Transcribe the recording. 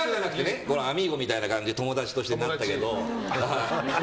アミーゴみたいな感じで友達としてなったけど。